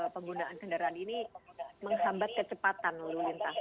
penggunaan kendaraan ini menghambat kecepatan lalu lintas